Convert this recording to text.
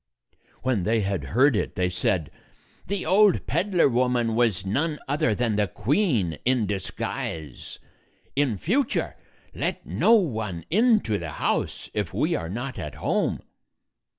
When they had heard it, they said, "The old peddler woman was none other than the queen in disguise. In future let no one into the house, if we are not at home."